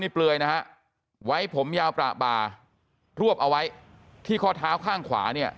เปลือยนะฮะไว้ผมยาวประบารวบเอาไว้ที่ข้อเท้าข้างขวาเนี่ย